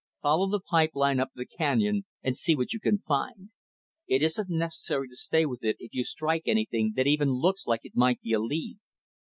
Follow the pipe line up the canyon, and see what you can find. It isn't necessary to say stay with it if you strike anything that even looks like it might be a lead.